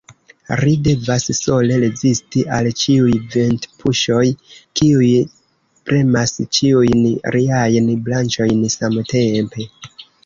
Ri devas sole rezisti al ĉiuj ventpuŝoj, kiuj premas ĉiujn riajn branĉojn samtempe.